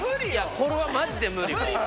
これはマジで無理もう。